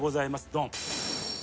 ドン。